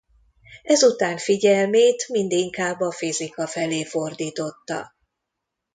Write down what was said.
Ezután figyelmét mindinkább a fizika felé fordította.